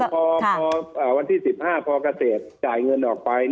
พอวันที่๑๕พอเกษตรจ่ายเงินออกไป